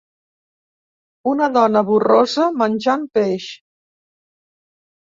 Una dona borrosa menjant peix.